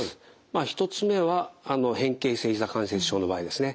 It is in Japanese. １つ目は変形性ひざ関節症の場合ですね。